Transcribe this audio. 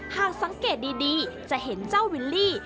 หากสังเกตดีจะเห็นเจ้าวิลลี่